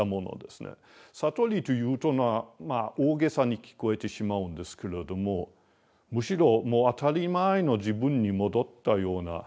悟りと言うとまあ大げさに聞こえてしまうんですけれどもむしろもう当たり前の自分に戻ったような。